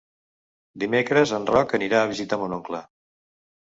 Dimecres en Roc anirà a visitar mon oncle.